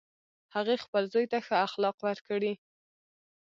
هغې خپل زوی ته ښه اخلاق ورکړی